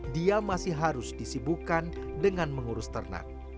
dia masih harus disibukan dengan mengurus ternak